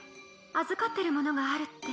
預かってるものがあるって。